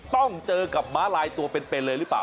ต้องเจอกับม้าลายตัวเป็นเลยหรือเปล่า